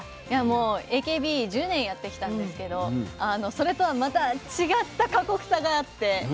いやもうＡＫＢ１０年やってきたんですけどそれとはまた違った過酷さがあって。